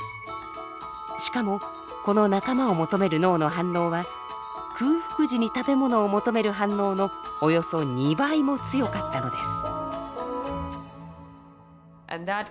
しかもこの仲間を求める脳の反応は空腹時に食べ物を求める反応のおよそ２倍も強かったのです。